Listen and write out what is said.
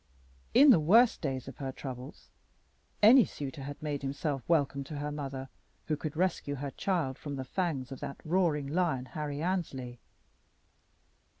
In the worse days of her troubles any suitor had made himself welcome to her mother who would rescue her child from the fangs of that roaring lion, Harry Annesley.